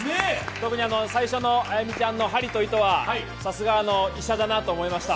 特に最初のあやみちゃんの針と糸はさすが医者だなと思いました。